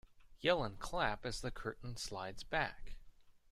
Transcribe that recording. Yell and clap as the curtain slides back.